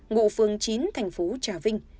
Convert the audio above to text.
ngộ phường chín thành phố trà vinh